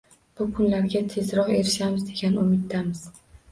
Bu kunlarga tezroq erishamiz degan umiddamiz